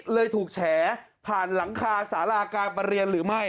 เลยถูกแฉผ่านหลังคาสาราการประเรียนหรือไม่